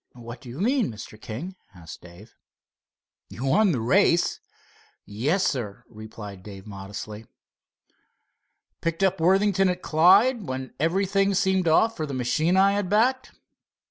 "What do you mean, Mr. King?" asked Dave. "You won the race." "Yes, sir," replied Dave modestly. "Picked up Worthington at Clyde, when everything seemed off for the machine I backed."